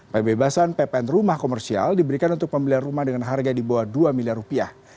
pembebasan ppn rumah komersial diberikan untuk pembelian rumah dengan harga di bawah dua miliar rupiah